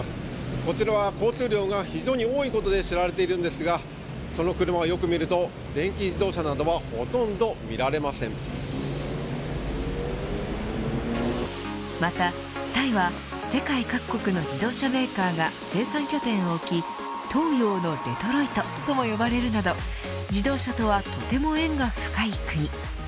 こちらは交通量が非常に多いことで知られているんですがその車をよく見ると電気自動車などはまたタイは世界各国の自動車メーカーが生産拠点を置き東洋のデトロイトとも呼ばれるなど自動車とはとても縁が深い国。